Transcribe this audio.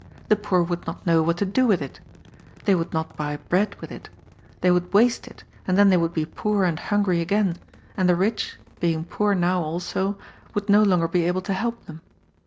The poor would not know what to do with it They would not buy bread with it They would waste it, and then they would be poor and hungry again, and the rich, being poor now also, would no longer be able to help them.